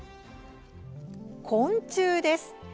昆虫です。